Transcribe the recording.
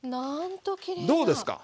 どうですか？